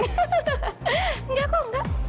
enggak kok enggak